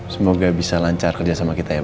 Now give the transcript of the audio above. semoga bisa lancar kerjasama kita ya